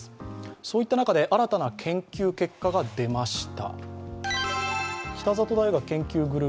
そういった中で新たな研究結果が出ました。